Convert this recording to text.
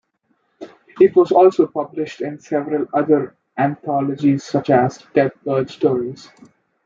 It was also published in several other anthologies such as "Deathbird Stories".